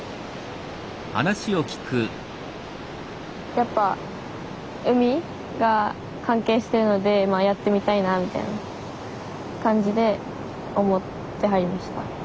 やっぱ海が関係してるのでやってみたいなみたいな感じで思って入りました。